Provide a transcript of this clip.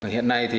hiện nay thì